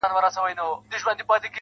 که هر څو نجوني ږغېږي چي لونګ یم.